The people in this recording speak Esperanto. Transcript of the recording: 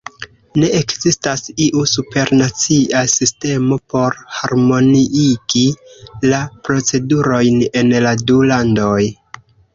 Ne ekzistas iu supernacia sistemo por harmoniigi la procedurojn en la du landoj.